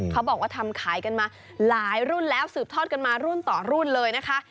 เขาบอกว่าทำขายกันมาหลายรุ่นแล้วสืบทอดกันมารุ่นต่อรุ่นเลยนะคะ